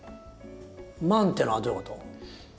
「万」ってのはどういうこと？